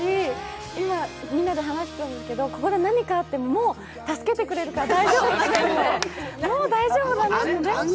今みんなで話してたんですけど、ここで何かあってももう助けてくれるからもう大丈夫だねって。